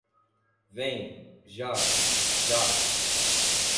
Vem, já, já...